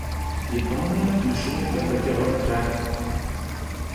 Yit'ane maşşineç'e kheç'ığer trax.